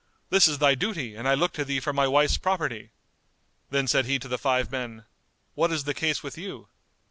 This is thy duty and I look to thee for my wife's property." Then said he to the five men, "What is the case with you?"